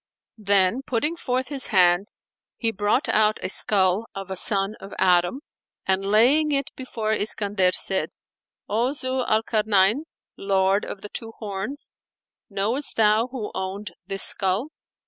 Then putting forth his hand he brought out a skull of a son of Adam and, laying it before Iskandar, said, "O Zu al Karnayn, Lord of the Two Horns, knowest thou who owned this skull?"